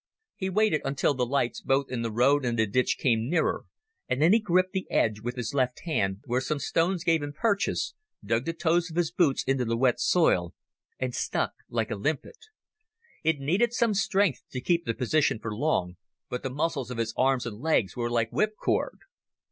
He waited until the lights both in the road and the ditch came nearer, and then he gripped the edge with his left hand, where some stones gave him purchase, dug the toes of his boots into the wet soil and stuck like a limpet. It needed some strength to keep the position for long, but the muscles of his arms and legs were like whipcord.